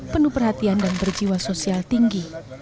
penuh perhatian dan berjiwa sosial tinggi